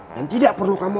dan tidak perlu kau mencari